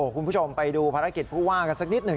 คุณผู้ชมไปดูภารกิจผู้ว่ากันสักนิดหนึ่ง